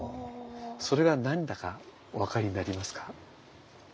それが何だかお分かりになりますか？